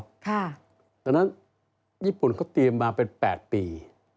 เพราะฉะนั้นญี่ปุ่นเขาเตรียมมาเป็น๘ปี